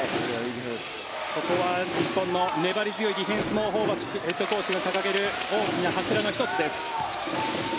ここは日本の粘り強いディフェンスもホーバスヘッドコーチが掲げる大きな柱の１つです。